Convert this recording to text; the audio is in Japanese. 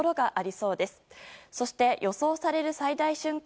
そして予想される最大瞬間